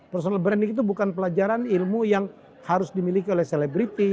personal branding itu bukan pelajaran ilmu yang harus dimiliki oleh selebriti